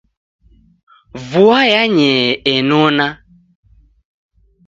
Vua yanyee enona.